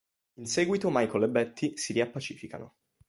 In seguito Michael e Betty si riappacificano.